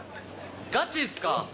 ガチっすか？